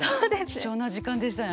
貴重な時間でしたね。